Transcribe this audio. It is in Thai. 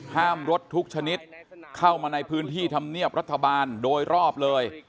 ห้ามรถทุกชนิดเข้ามาในพื้นที่ธรรมเนียบรัฐบาลโดยรอบเลย